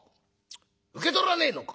受け取らねえのか。